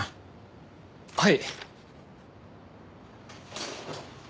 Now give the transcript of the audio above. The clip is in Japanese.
はい。